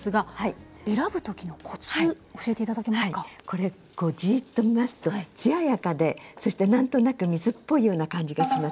これこうじっと見ますと艶やかでそして何となく水っぽいような感じがしますでしょ。